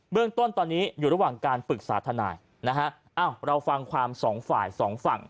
เบื้องต้นตอนนี้อยู่ระหว่างการปรึกษาธนายเราฟังความ๒ฝ่าย๒ฝั่ง